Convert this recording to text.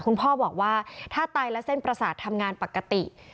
คุณพ่อบอกว่าถ้าไตและเส้นประสาททำงานปกติ